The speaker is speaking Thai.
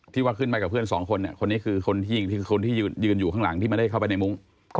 ว่าขึ้นไปกับเพื่อนสองคนคนนี้คือคนที่ยิงคือคนที่ยืนอยู่ข้างหลังที่ไม่ได้เข้าไปในมุ้ง